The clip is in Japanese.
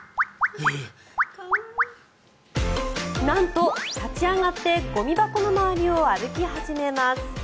なんと、立ち上がってゴミ箱の周りを歩き始めます。